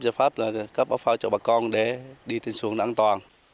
giải pháp cấp áo phao cho bà con để đi trên xuồng an toàn